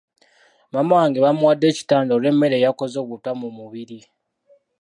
Maama wange bamuwadde ekitanda olw'emmere eyakoze obutwa mu mubiri.